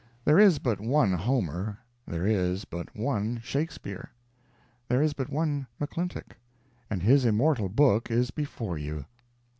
There is but one Homer, there is but one Shakespeare, there is but one McClintock and his immortal book is before you.